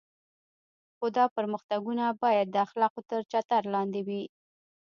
خو دا پرمختګونه باید د اخلاقو تر چتر لاندې وي.